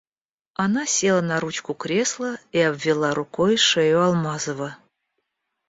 Она села на ручку кресла и обвила рукой шею Алмазова.